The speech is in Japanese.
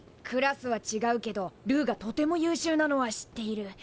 クラスはちがうけどルーがとても優秀なのは知っている。